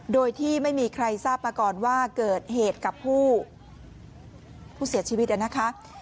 โดยที่ไม่มีใครทราบมาก่อนว่าเกิดเหตุกับผู้เสียชีวิตนะคะ